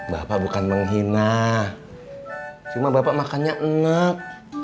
bapak bukan menghina cuma bapak makannya enak